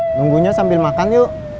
nunggunya sambil makan yuk